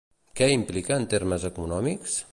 Què implica en termes econòmics?